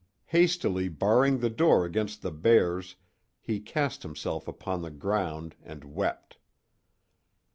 Hastily barring the door against the bears he cast himself upon the ground and wept.